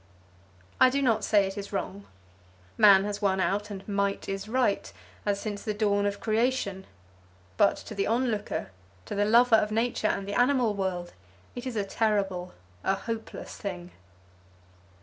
I do not say it is wrong. Man has won out, and might is right, as since the dawn of creation; but to the onlooker, to the lover of nature and the animal world it is a terrible, a hopeless thing.